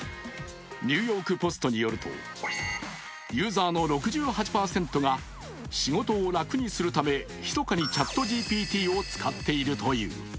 「ニューヨーク・ポスト」によると、ユーザーの６８％が仕事を楽にするためひそかにＣｈａｔＧＰＴを使っているという。